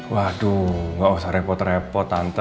waduh gak usah repot repot tante